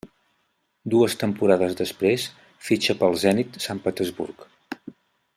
Dues temporades després fitxa pel Zenit Sant Petersburg.